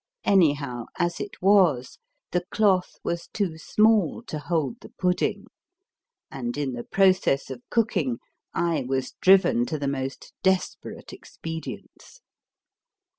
Anyhow, as it was, the cloth was too small to hold the pudding, and, in the process of cooking, I was driven to the most desperate expedients.